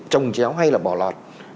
trồng chéo hay là bỏ lọt